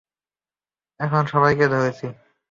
এখন, সবাইকে ধরেছি।